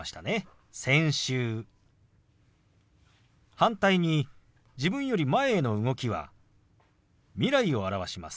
反対に自分より前への動きは未来を表します。